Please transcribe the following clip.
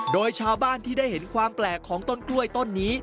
โดยชาวบ้านที่ได้เห็นความแปลกของต้นกล้วยต้นนี้